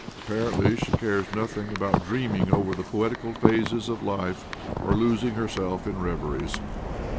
Apparently she cares nothing about dreaming over the poetical phases of life, or losing herself in reveries.